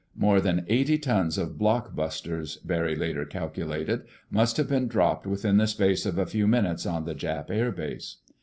More than eighty tons of block busters, Barry later calculated, must have been dropped within the space of a few minutes on the Jap air base.